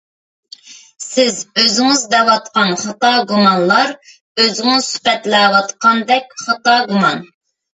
سىز ئۆزىڭىز دەۋاتقان خاتا گۇمانلار ئۆزىڭىز سۈپەتلەۋاتقاندەك خاتا گۇمان.